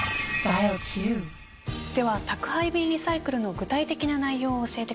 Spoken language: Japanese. では宅配便リサイクルの具体的な内容を教えてください。